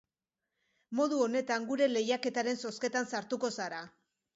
Modu honetan gure lehiaketaren zozketan sartuko zara.